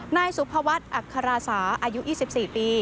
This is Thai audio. นายสุภวัฒน์อัคราสาอายุ๒๔ปี